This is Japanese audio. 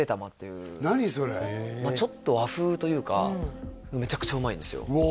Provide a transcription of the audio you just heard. それちょっと和風というかめちゃくちゃうまいんですようわ